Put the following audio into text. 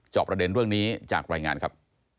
ประเด็นเรื่องนี้จากรายงานครับ